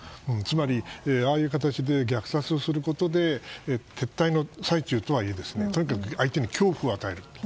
つまり、ああいう形で虐殺をすることで撤退の最中とはいえとにかく相手に恐怖を与える。